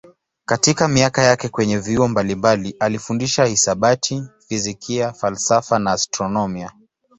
Katika miaka yake kwenye vyuo mbalimbali alifundisha hisabati, fizikia, falsafa na astronomia.